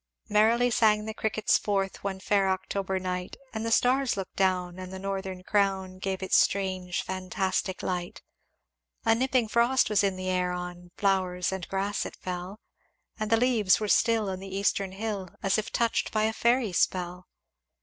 "Merrily sang the crickets forth One fair October night; And the stars looked down, and the northern crown Gave its strange fantastic light. "A nipping frost was in the air, On flowers and grass it fell; And the leaves were still on the eastern hill As if touched by a fairy spell.